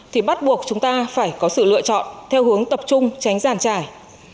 thì bắt buộc chúng ta phải có sự lựa chọn theo hướng tập trung tránh giàn trải